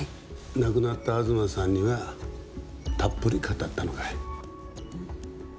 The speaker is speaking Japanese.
亡くなった東さんにはたっぷり語ったのかい？